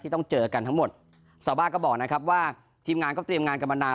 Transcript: ต้องเจอกันทั้งหมดชาวบ้านก็บอกนะครับว่าทีมงานก็เตรียมงานกันมานาน